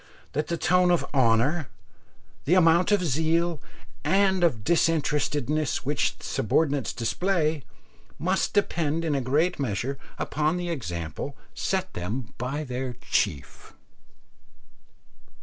that the tone of honour, the amount of zeal and of disinterestedness which subordinates display must depend in a great measure upon the example set them by their chief?